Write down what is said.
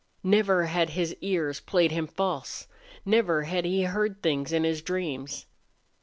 Never had his ears played him false. Never had he heard things in his dreams.